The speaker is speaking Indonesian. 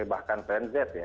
bahkan plan z ya